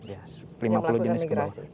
yang melakukan migrasi